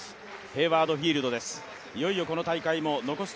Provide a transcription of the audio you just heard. ヘイワード・フィールドです。